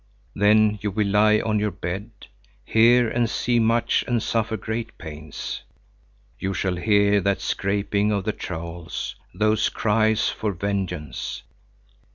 Then you will lie on your bed, hear and see much and suffer great pains. You shall hear that scraping of the trowels, those cries for vengeance.